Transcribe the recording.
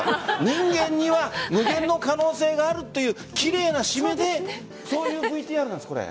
人間には無限の可能性があるという奇麗な締めでそういうＶＴＲなんです、これ。